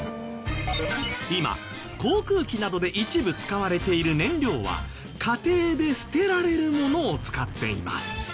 今航空機などで一部使われている燃料は家庭で捨てられるものを使っています。